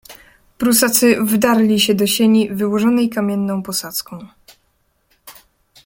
"Prusacy wdarli się do sieni, wyłożonej kamienną posadzką."